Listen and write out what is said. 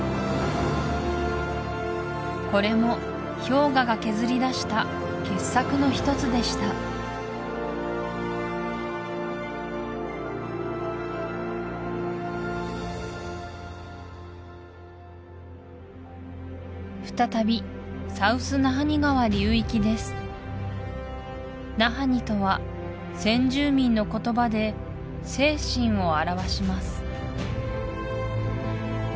これも氷河が削りだした傑作のひとつでした再びサウス・ナハニ川流域です「ナハニ」とは先住民の言葉で「精神」を表します